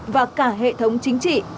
và cả hệ thống chính trị